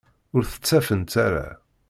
Ur t-ttafent ara.